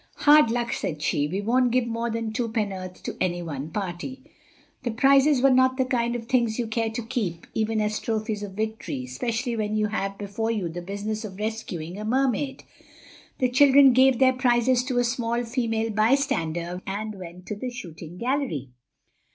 "Hard luck," said she. "We don't give more than two penn'orth to any one party." The prizes were not the kind of things you care to keep, even as trophies of victory—especially when you have before you the business of rescuing a Mermaid. The children gave their prizes to a small female bystander and went to the shooting gallery.